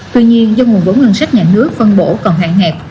tuy nhiên do nguồn vốn ngân sách nhà nước phân bổ còn hạn hẹp